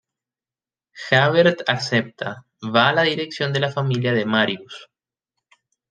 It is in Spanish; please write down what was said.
Javert acepta, va a la dirección de la familia de Marius.